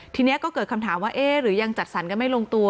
ทีนี้ก็เกิดคำถามว่าเอ๊ะหรือยังจัดสรรกันไม่ลงตัว